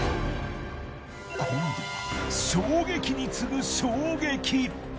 今度は衝撃に次ぐ衝撃！